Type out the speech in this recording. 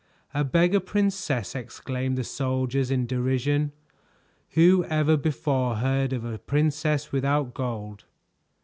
"A Beggar Princess!" exclaimed the soldiers in derision. "Who ever before heard of a princess without gold?"